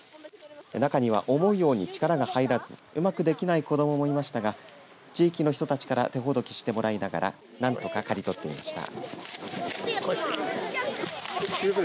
中には思うように力が入らずうまくできない子どももいましたが地域の人たちから手ほどきしてもらいながらなんとか刈り取っていました。